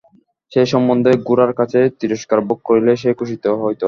সে সম্বন্ধে গোরার কাছে তিরস্কার ভোগ করিলে সে খুশি হইত।